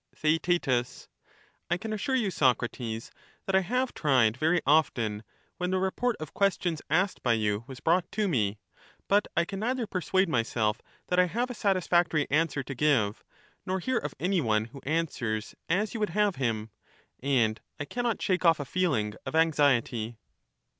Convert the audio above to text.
Theaet I can assure you, Socrates, that I have tried very often, when the report of questions asked by you was brought to me ; but I can neither persuade myself that I have a satis factory answer to give, nor hear of any one who answers as you would have him ; and I cannot shake off" a feeling of anxiety.